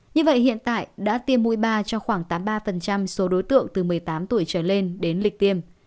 như vậy hiện tại đã tiêm mui ba cho khoảng tám mươi ba số đối tượng từ một mươi tám tuổi trở lên đến lịch tiêm